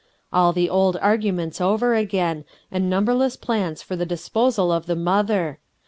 All the old arguments over again, and numberless plans for the disposal of the mother.